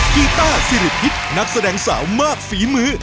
กีต้าสิริพิษนักแสดงสาวมากฝีมือ